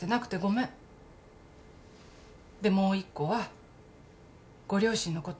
でもう１個はご両親のこと。